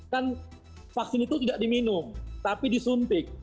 kan vaksin itu tidak diminum tapi disuntik